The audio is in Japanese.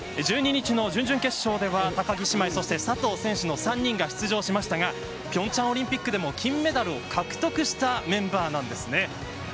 １２日の準々決勝では高木姉妹そして佐藤選手の３人が出場しましたが平昌オリンピックでも金メダルを獲得したメンバーなんですね。